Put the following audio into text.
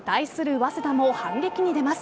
早稲田も反撃に出ます。